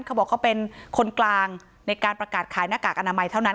เขาบอกเขาเป็นคนกลางในการประกาศขายหน้ากากอนามัยเท่านั้น